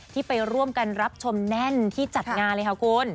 ที่ไปร่วมกันรับชมแน่นที่จัดงานเลยค่ะคุณ